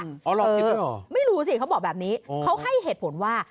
หลอกผิดด้วยเหรอไม่รู้สิเขาบอกแบบนี้เขาให้เหตุผลว่า